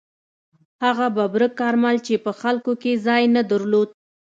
هغه ببرک کارمل چې په خلکو کې ځای نه درلود.